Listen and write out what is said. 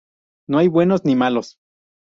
No hay buenos ni malos.